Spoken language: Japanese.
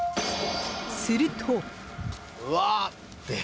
すると。